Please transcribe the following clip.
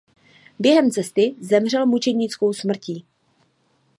Během cesty zemřel mučednickou smrtí.